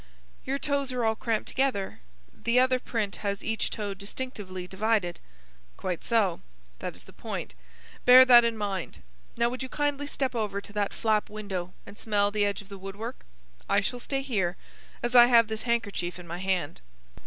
"Your toes are all cramped together. The other print has each toe distinctly divided." "Quite so. That is the point. Bear that in mind. Now, would you kindly step over to that flap window and smell the edge of the wood work? I shall stay here, as I have this handkerchief in my hand."